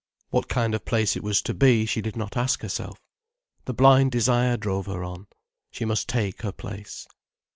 What kind of place it was to be she did not ask herself. The blind desire drove her on. She must take her place.